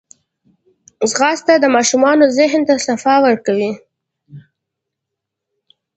ځغاسته د ماشومانو ذهن ته صفا ورکوي